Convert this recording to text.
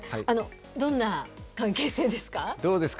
どんな関係性ですか？